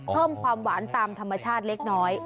เพิ่มความหวานตามธรรมชาติเล็กน้อย